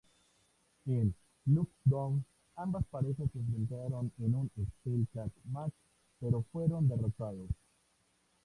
En "Lockdown", ambas parejas se enfrentaron en un "Steel Cage match", pero fueron derrotados.